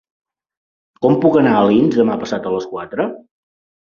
Com puc anar a Alins demà passat a les quatre?